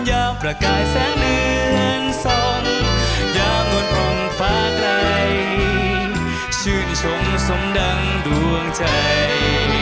ยาวประกายแสงเรือนทรงยาวมนตรงฟ้าใกล้ชื่นชมสมดังดวงใจ